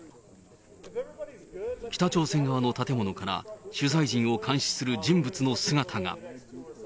北朝鮮側の建物から、取材陣を監視する人物の姿が。